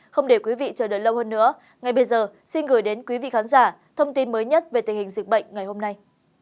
không để quý vị chờ đợi lâu hơn nữa ngay bây giờ xin gửi đến quý vị khán giả thông tin mới nhất về tình hình dịch bệnh ngày hôm nay